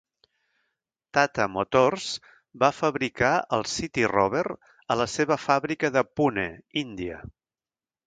Tata Motors va fabricar el CityRover a la seva fàbrica de Pune, Índia.